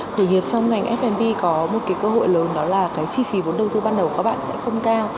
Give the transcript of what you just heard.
khởi nghiệp trong ngành f b có một cái cơ hội lớn đó là cái chi phí vốn đầu tư ban đầu của các bạn sẽ không cao